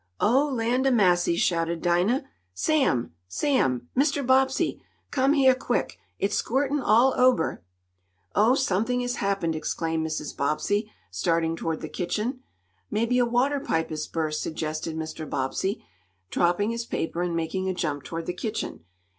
"Oh! Land ob massy!" shouted Dinah. "Sam! Sam! Mr. Bobbsey, come heah quick! It's squirtin' all ober!" "Oh! Something has happened!" exclaimed Mrs. Bobbsey, starting toward the kitchen. "Maybe a water pipe has burst," suggested Mr. Bobbsey, dropping his paper and making a jump toward the kitchen.